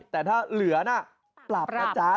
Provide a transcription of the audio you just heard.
แต่ถ้าเหลือปราบจ้า